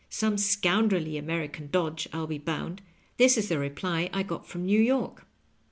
Some scoundrelly American dodge, FU be bound. This is the reply I got from New York."